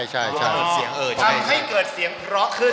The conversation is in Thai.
ทำให้เกิดเสียงเพราะขึ้น